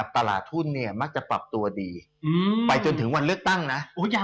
ตลาดทุนเนี่ยมักจะปรับตัวดีไปจนถึงวันเลือกตั้งนะ